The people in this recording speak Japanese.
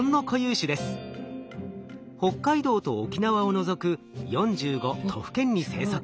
北海道と沖縄を除く４５都府県に生息。